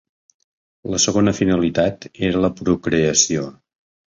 La segona finalitat era la procreació.